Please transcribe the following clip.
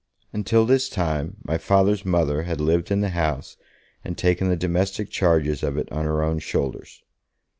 Until this time my Father's mother had lived in the house and taken the domestic charges of it on her own shoulders.